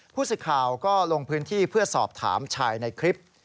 ผู้สื่อข่าวก็ลงพื้นที่เพื่อสอบถามชายในคลิป